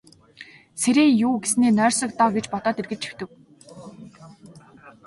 Сэрээе юү гэснээ нойрсог доо гэж бодоод эргэж хэвтэв.